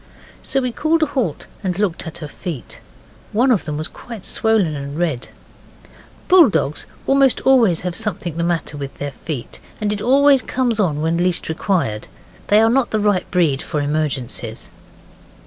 So we called a halt and looked at her feet. One of them was quite swollen and red. Bulldogs almost always have something the matter with their feet, and it always comes on when least required. They are not the right breed for emergencies.